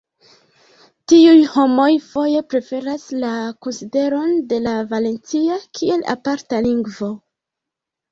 Tiuj homoj foje preferas la konsideron de la valencia kiel aparta lingvo.